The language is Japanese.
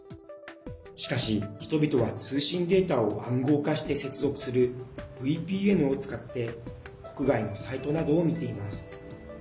しかし、人々は通信データを暗号化して接続するＶＰＮを使って国外のサイトなどを見ています。